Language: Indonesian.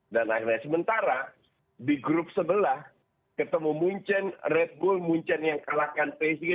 dan akhirnya sementara di grup sebelah ketemu munchen red bull munchen yang kalahkan psg